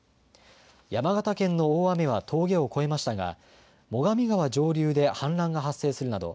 山形県の大雨は峠を越えましたが最上川上流で氾濫が発生するなど